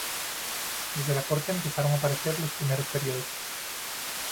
Desde la corte, empezaron a aparecer los primeros periódicos.